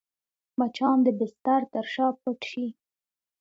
مچان د بستر تر شا پټ شي